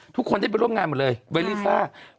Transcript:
ทุกคนได้ไปร่วมงานหมดเลยเวลิซ่า